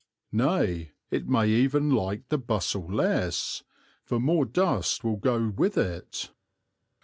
Nay, it may even like the bustle less, for more dust will go with it.